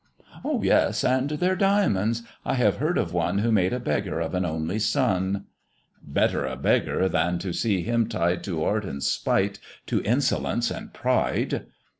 "Yes, and their diamonds; I have heard of one Who made a beggar of an only son." "Better a beggar, than to see him tied To art and spite, to insolence and pride."